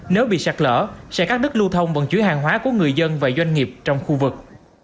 nếu bị sạt lỡ sẽ các đất lưu thông bằng chuỗi hàng hóa của người dân và doanh nghiệp trong khu vực